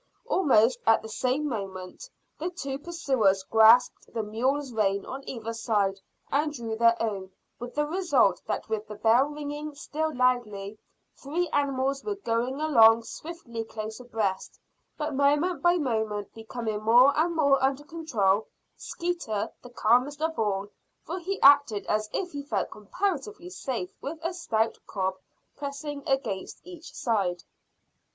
Almost at the same moment the two pursuers grasped the mule's rein on either side and drew their own, with the result that with the bell ringing still loudly, three animals were going along swiftly close abreast, but moment by moment becoming more and more under control, Skeeter the calmest of all, for he acted as if he felt comparatively safe with a stout cob pressing against each side.